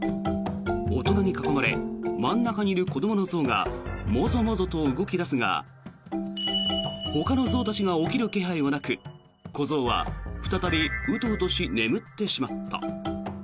大人に囲まれ真ん中にいる子どもの象がもぞもぞと動き出すがほかの象たちが起きる気配はなく子象は再びウトウトして眠ってしまった。